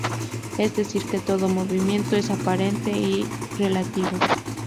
Es decir que todo movimiento es aparente y relativo.